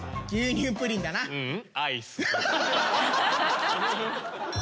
ううん。